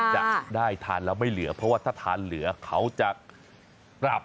จะได้ทานแล้วไม่เหลือเพราะว่าถ้าทานเหลือเขาจะปรับ